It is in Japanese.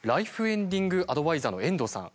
エンディングアドバイザーの遠藤さん。